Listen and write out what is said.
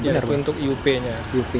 ya itu untuk iup nya